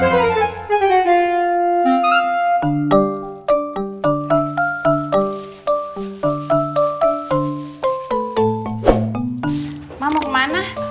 mama mau kemana